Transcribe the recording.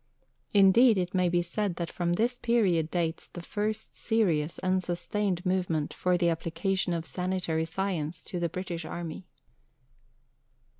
Indeed it may be said that from this period dates the first serious and sustained movement for the application of sanitary science to the British Army.